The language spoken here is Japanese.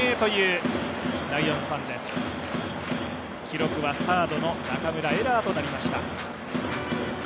記録はサードの中村、エラーとなりました。